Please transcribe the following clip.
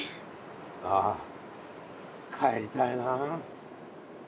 ああ帰りたいなあ。